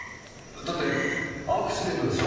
だってアクシデントでしょ？